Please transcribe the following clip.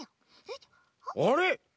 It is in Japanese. あれ？